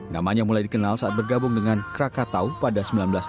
namanya mulai dikenal saat bergabung dengan krakatau pada seribu sembilan ratus sembilan puluh